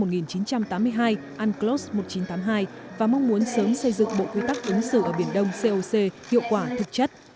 unclos một nghìn chín trăm tám mươi hai và mong muốn sớm xây dựng bộ quy tắc ứng xử ở biển đông coc hiệu quả thực chất